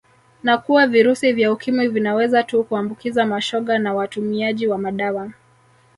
Na kuwa virusi vya Ukimwi vinaweza tu kuambukiza mashoga na watumiaji wa madawa